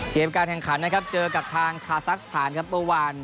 การแข่งขันนะครับเจอกับทางคาซักสถานครับเมื่อวาน